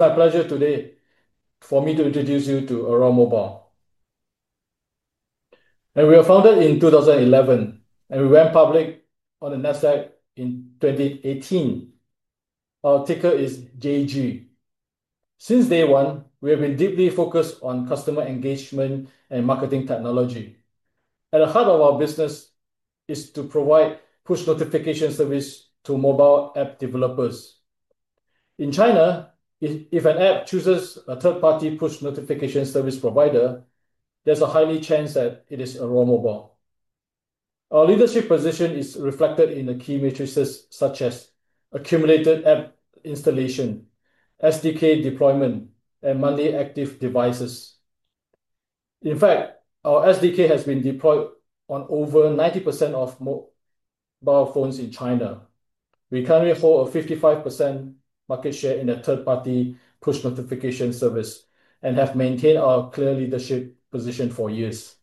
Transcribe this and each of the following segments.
My pleasure today for me to introduce you to Aurora Mobile. We were founded in 2011, and we went public on the NASDAQ in 2018. Our ticker is JG. Since day one, we have been deeply focused on customer engagement and marketing technology. At the heart of our business is to provide push notification service to mobile app developers. In China, if an app chooses a third-party push notification service provider, there's a high chance that it is Aurora Mobile. Our leadership position is reflected in the key metrics such as accumulated app installation, SDK deployment, and monthly active devices. In fact, our SDK has been deployed on over 90% of mobile phones in China. We currently hold a 55% market share in the third-party push notification service and have maintained our clear leadership position for years.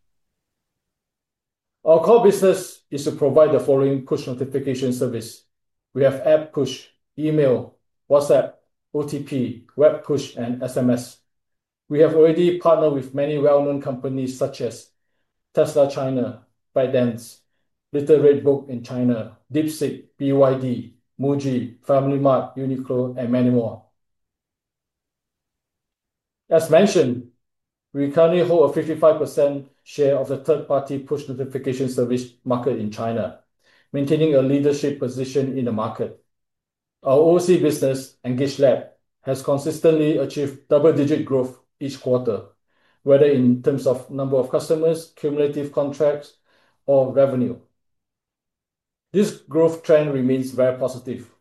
Our core business is to provide the following push notification services. We have app push, email, WhatsApp, OTP, web push, and SMS. We have already partnered with many well-known companies such as Tesla China, ByteDance, Little Red Book in China, DeepSeek, BYD, Muji, FamilyMart, Uniqlo, and many more. As mentioned, we currently hold a 55% share of the third-party push notification service market in China, maintaining a leadership position in the market. Our OOC business, EngageLab, has consistently achieved double-digit growth each quarter, whether in terms of number of customers, cumulative contracts, or revenue. This growth trend remains very positive.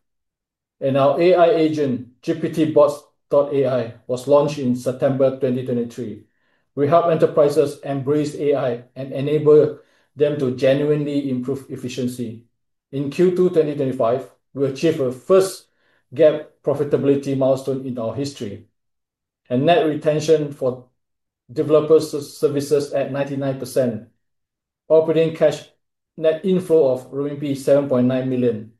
Our AI agent, gptbots.ai, was launched in September 2023. We help enterprises embrace AI and enable them to genuinely improve efficiency. In Q2 2025, we achieved the first GAAP profitability milestone in our history, and net retention for developer services at 99%. Operating cash net inflow of ¥7.9 million.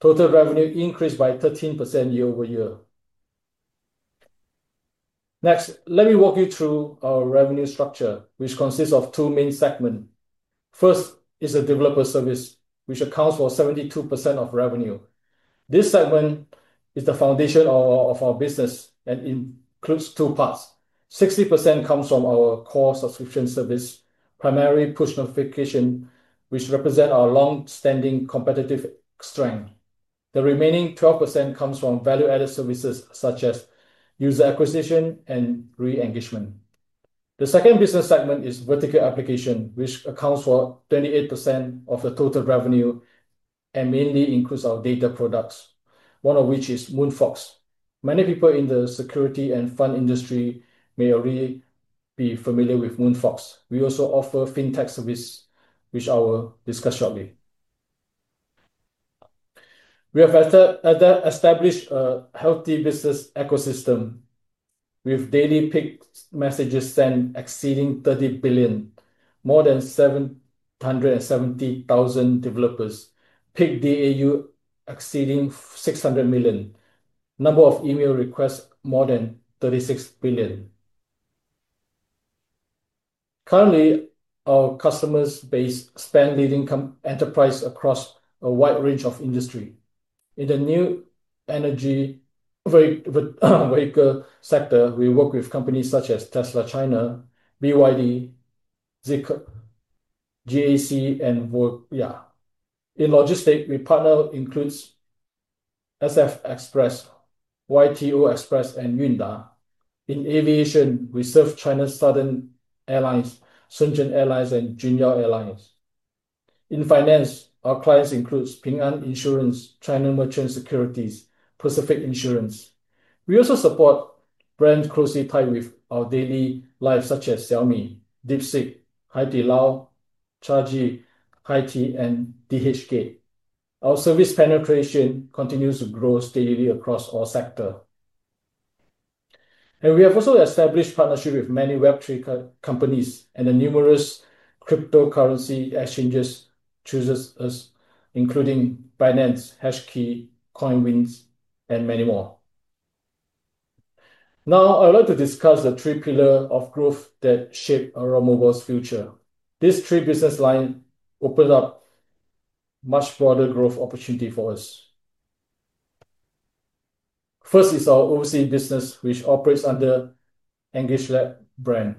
Total revenue increased by 13% year over year. Next, let me walk you through our revenue structure, which consists of two main segments. First is the developer service, which accounts for 72% of revenue. This segment is the foundation of our business and includes two parts. 60% comes from our core subscription service, primary push notification, which represents our long-standing competitive strength. The remaining 12% comes from value-added services such as user acquisition and re-engagement. The second business segment is vertical application, which accounts for 28% of the total revenue and mainly includes our data products, one of which is MoonFox. Many people in the security and fund industry may already be familiar with MoonFox. We also offer fintech services, which I will discuss shortly. We have established a healthy business ecosystem with daily picked messages sent exceeding 30 billion, more than 770,000 developers, picked DAU exceeding 600 million, number of email requests more than 36 billion. Currently, our customer base spans leading enterprises across a wide range of industries. In the new energy vehicle sector, we work with companies such as Tesla China, BYD, GAC, and Volvo. In logistics, we partner with SF Express, YTO Express, and Hyundai. In aviation, we serve China Southern Airlines, Shenzhen Airlines, and Jinyue Airlines. In finance, our clients include Ping An Insurance, China Merchant Securities, and Pacific Insurance. We also support brands closely tied with our daily lives such as Xiaomi, DeepSeek, Haidilao, Chargi, Haiti, and DHGate. Our service penetration continues to grow steadily across all sectors. We have also established partnerships with many Web3 companies and numerous cryptocurrency exchanges such as Binance, Hashkey, CoinWinds, and many more. Now, I'd like to discuss the three pillars of growth that shape Aurora Mobile's future. These three business lines open up much broader growth opportunities for us. First is our OOC business, which operates under the EngageLab brand.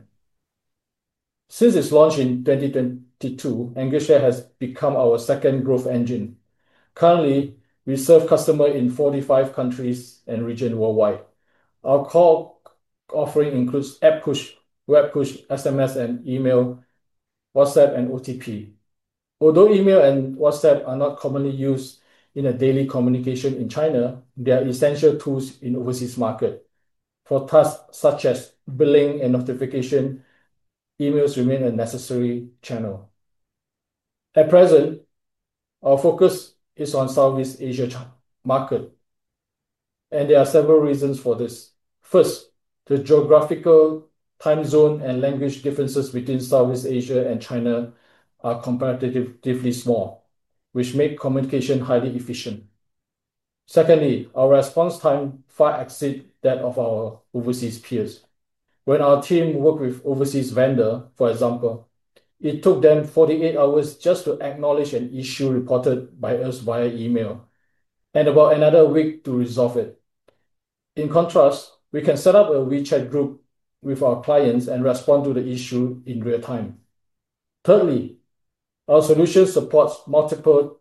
Since its launch in 2022, EngageLab has become our second growth engine. Currently, we serve customers in 45 countries and regions worldwide. Our core offering includes app push, web push, SMS, email, WhatsApp, and OTP. Although email and WhatsApp are not commonly used in daily communication in China, they are essential tools in the overseas market. For tasks such as billing and notification, emails remain a necessary channel. At present, our focus is on the Southeast Asia market, and there are several reasons for this. First, the geographical time zone and language differences between Southeast Asia and China are comparatively small, which makes communication highly efficient. Secondly, our response time far exceeds that of our overseas peers. When our team worked with an overseas vendor, for example, it took them 48 hours just to acknowledge an issue reported by us via email, and about another week to resolve it. In contrast, we can set up a WeChat group with our clients and respond to the issue in real time. Thirdly, our solution supports multiple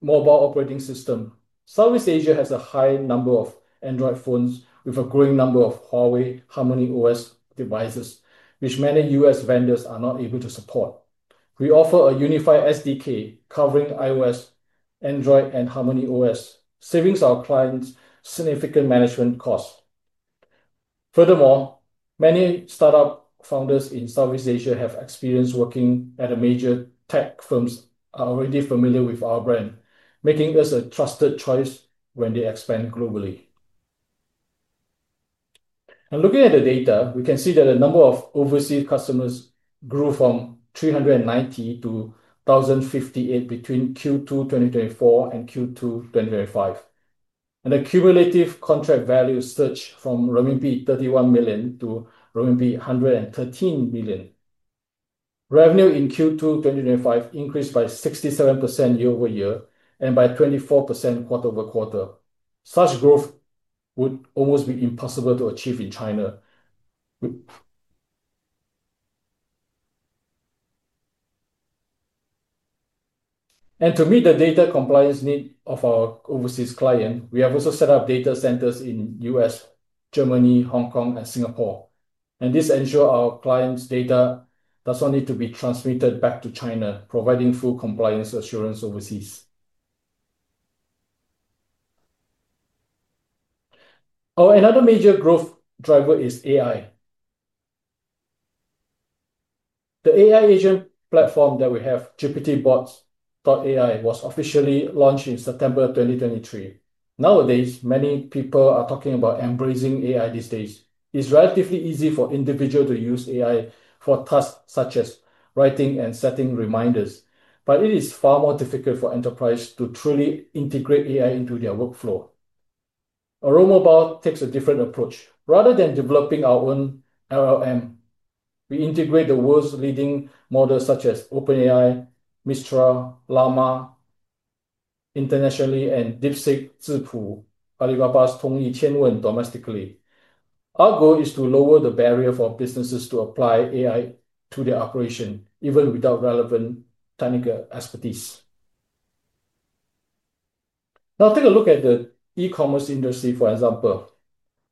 mobile operating systems. Southeast Asia has a high number of Android phones with a growing number of Huawei HarmonyOS devices, which many U.S. vendors are not able to support. We offer a unified SDK covering iOS, Android, and HarmonyOS, saving our clients significant management costs. Furthermore, many startup founders in Southeast Asia have experience working at major tech firms and are already familiar with our brand, making us a trusted choice when they expand globally. Looking at the data, we can see that the number of overseas customers grew from 390 to 1,058 between Q2 2024 and Q2 2025. The cumulative contract value surged from ¥31 million to ¥113 million. Revenue in Q2 2025 increased by 67% year over year and by 24% quarter over quarter. Such growth would almost be impossible to achieve in China. To meet the data compliance needs of our overseas clients, we have also set up data centers in the U.S., Germany, Hong Kong, and Singapore. This ensures our clients' data does not need to be transmitted back to China, providing full compliance assurance overseas. Another major growth driver is AI. The AI agent platform that we have, gptbots.ai, was officially launched in September 2023. Nowadays, many people are talking about embracing AI these days. It's relatively easy for individuals to use AI for tasks such as writing and setting reminders, but it is far more difficult for enterprises to truly integrate AI into their workflow. Aurora Mobile takes a different approach. Rather than developing our own LLM, we integrate the world's leading models such as OpenAI, Mistral, Llama internationally, and DeepSeek, Alibaba's Tongyi Chengwen domestically. Our goal is to lower the barrier for businesses to apply AI to their operation, even without relevant technical expertise. Now, take a look at the e-commerce industry, for example.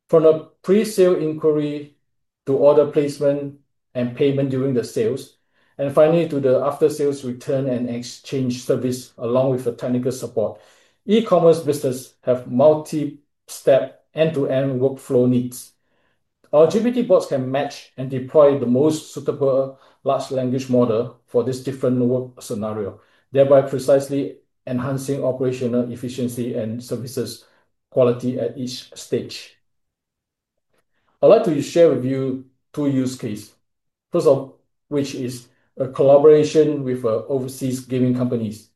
From the pre-sale inquiry to order placement and payment during the sales, and finally to the after-sales return and exchange service, along with the technical support, e-commerce businesses have multi-step end-to-end workflow needs. Our GPT bots can match and deploy the most suitable large language model for this different work scenario, thereby precisely enhancing operational efficiency and services quality at each stage. I'd like to share with you two use cases, first of which is a collaboration with overseas gaming companies.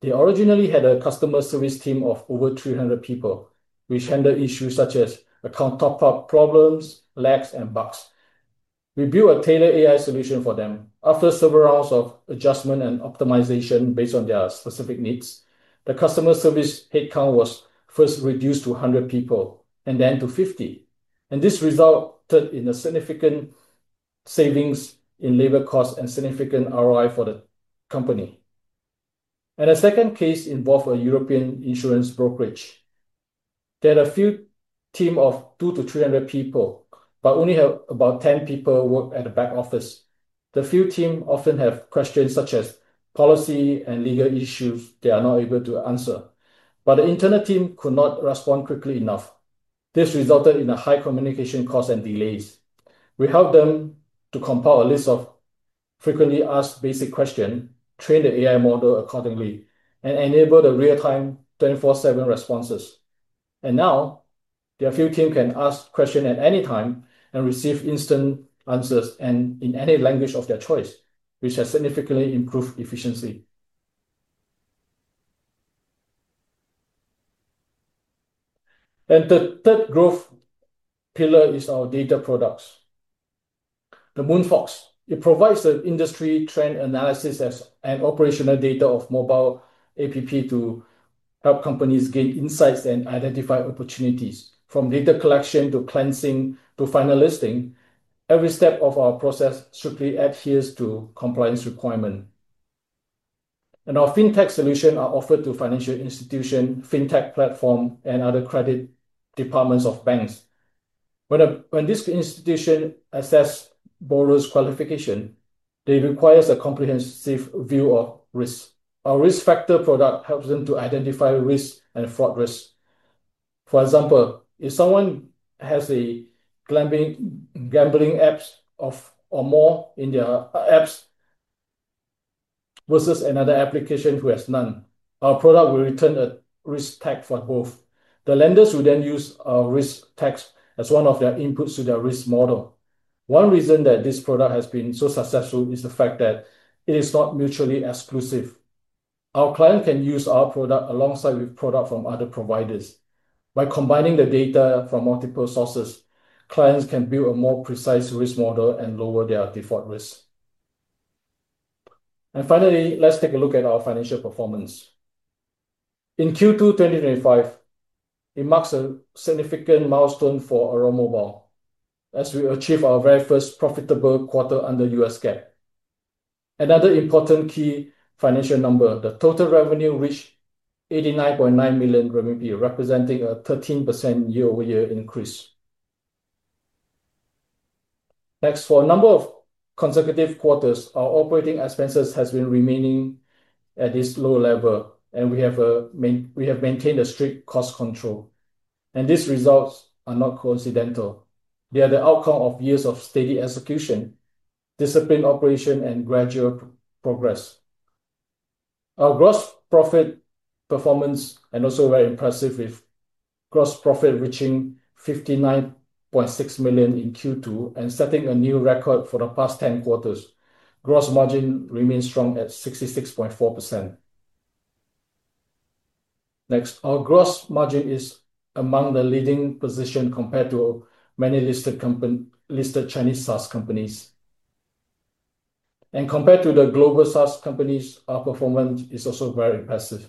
They originally had a customer service team of over 300 people, which handled issues such as account problems, lags, and bugs. We built a tailored AI solution for them. After several hours of adjustment and optimization based on their specific needs, the customer service headcount was first reduced to 100 people and then to 50. This resulted in significant savings in labor costs and significant ROI for the company. A second case involved a European insurance brokerage. They had a few teams of 200 to 300 people, but only about 10 people worked at the back office. The few teams often have questions such as policy and legal issues they are not able to answer, but the internal team could not respond quickly enough. This resulted in a high communication cost and delays. We helped them to compile a list of frequently asked basic questions, train the AI model accordingly, and enable the real-time 24/7 responses. Now, their field team can ask questions at any time and receive instant answers in any language of their choice, which has significantly improved efficiency. The third growth pillar is our data products, the MoonFox. It provides the industry trend analysis and operational data of mobile apps to help companies gain insights and identify opportunities. From data collection to cleansing to final listing, every step of our process strictly adheres to compliance requirements. Our fintech solutions are offered to financial institutions, fintech platforms, and other credit departments of banks. When this institution assesses a borrower's qualification, they require a comprehensive view of risks. Our risk factor product helps them to identify risks and fraud risks. For example, if someone has gambling apps or more in their apps versus another application who has none, our product will return a risk tag for both. The lenders will then use a risk tag as one of their inputs to their risk model. One reason that this product has been so successful is the fact that it is not mutually exclusive. Our clients can use our product alongside products from other providers. By combining the data from multiple sources, clients can build a more precise risk model and lower their default risk. Finally, let's take a look at our financial performance. In Q2 2025, it marks a significant milestone for Aurora Mobile as we achieve our very first profitable quarter under the US GAAP. Another important key financial number, the total revenue reached 89.9 million RMB, representing a 13% year-over-year increase. Next, for a number of consecutive quarters, our operating expenses have been remaining at this low level, and we have maintained a strict cost control. These results are not coincidental. They are the outcome of years of steady execution, disciplined operation, and gradual progress. Our gross profit performance is also very impressive, with gross profit reaching ¥59.6 million in Q2 and setting a new record for the past 10 quarters. Gross margin remains strong at 66.4%. Our gross margin is among the leading positions compared to many listed Chinese SaaS companies. Compared to the global SaaS companies, our performance is also very impressive.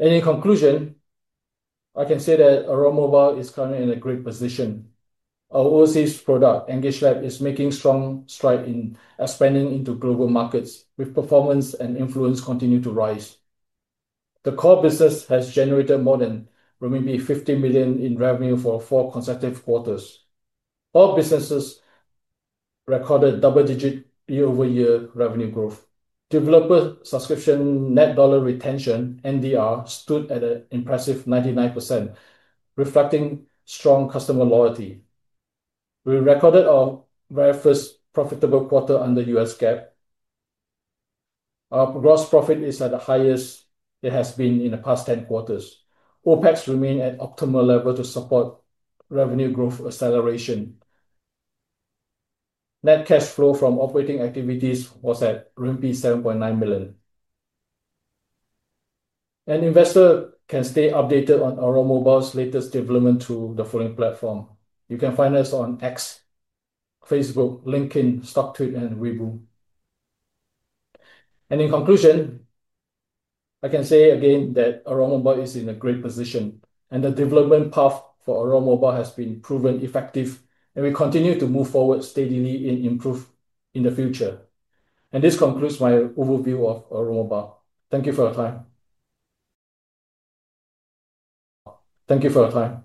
In conclusion, I can say that Aurora Mobile is currently in a great position. Our OOC product, EngageLab, is making strong strides in expanding into global markets, with performance and influence continuing to rise. The core business has generated more than ¥50 million in revenue for four consecutive quarters. All businesses recorded double-digit year-over-year revenue growth. Developer Subscription Services net dollar retention, NDR, stood at an impressive 99%, reflecting strong customer loyalty. We recorded our very first profitable quarter under the US GAAP. Our gross profit is at the highest it has been in the past 10 quarters. OpEx remains at optimal levels to support revenue growth acceleration. Net cash flow from operating activities was at ¥7.9 million. An investor can stay updated on Aurora Mobile's latest developments through the following platforms. You can find us on X, Facebook, LinkedIn, StockTwit, and Weibo. In conclusion, I can say again that Aurora Mobile is in a great position, and the development path for Aurora Mobile has been proven effective, and we continue to move forward steadily to improve in the future. This concludes my overview of Aurora Mobile. Thank you for your time. Thank you for your time.